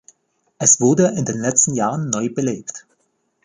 Es wurde in den letzten Jahren neu belebt.